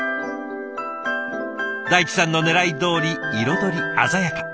大地さんのねらいどおり彩り鮮やか。